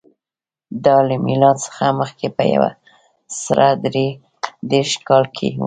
دا له میلاد څخه مخکې په یو سوه درې دېرش کال کې و